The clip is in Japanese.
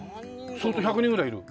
相当１００人ぐらいいる？